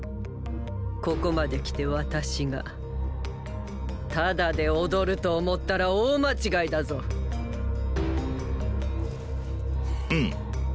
ここまできて私がただで踊ると思ったら大間違いだぞふむ。